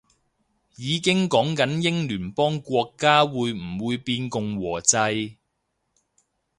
已經講緊英聯邦國家會唔會變共和制